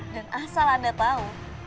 dan asal anda tau